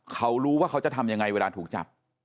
เขารู้ว่าเขาจะทำยังไงเวลาถูกจับ